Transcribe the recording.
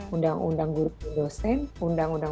undang undang guru dosen